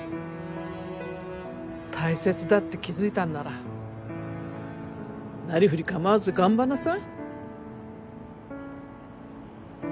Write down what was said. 大切だって気付いたんならなりふり構わず頑張んなさい。